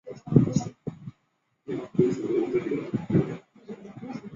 一级方程式赛车的商业权利由世界一级方程式锦标赛公司控制。